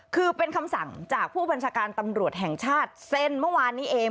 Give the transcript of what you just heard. คือเป็นคำสั่งจากผู้บัญชาการตำรวจแห่งชาติเซ็นเมื่อวานนี้เอง